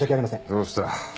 どうした？